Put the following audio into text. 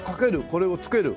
これを付ける？